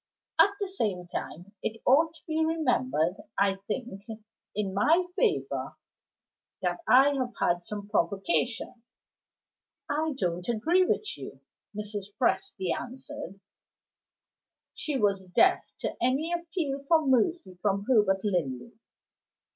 At the same time it ought to be remembered, I think, in my favor, that I have had some provocation." "I don't agree with you," Mrs. Presty answered. She was deaf to any appeal for mercy from Herbert Linley.